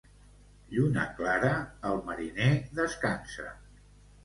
Lluna clara, el mariner descansa.